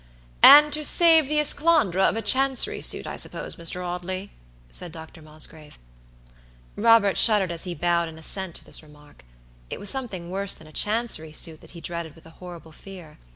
"And to save the esclandre of a Chancery suit, I suppose, Mr. Audley," said Dr. Mosgrave. Robert shuddered as he bowed an assent to this remark. It was something worse than a Chancery suit that he dreaded with a horrible fear.